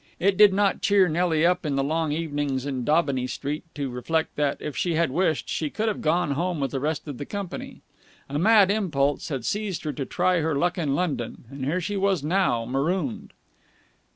It did not cheer Nelly up in the long evenings in Daubeny Street to reflect that, if she had wished, she could have gone home with the rest of the company. A mad impulse had seized her to try her luck in London, and here she was now, marooned.